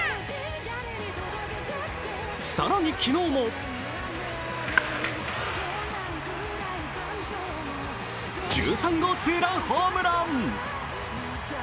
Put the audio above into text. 更に昨日も１３号ツーランホームラン。